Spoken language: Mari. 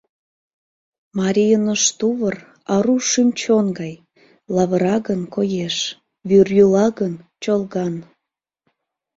Марийын ош тувыр ару шӱм-чон гай: Лавыра гын — коеш, Вӱр йӱла гын — чолган!